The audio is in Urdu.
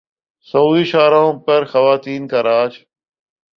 سعودی شاہراہوں پر خواتین کا راج